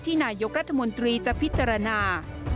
นายกรัฐมนตรีจะพิจารณา